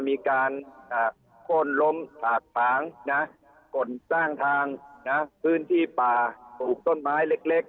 มีการโค้นล้มตากผางก่นสร้างทางพื้นที่ป่าปลูกต้นไม้เล็ก